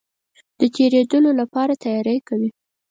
د تېرېدلو لپاره تیاری کوي.